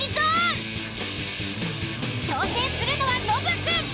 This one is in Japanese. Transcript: ［挑戦するのはノブ君］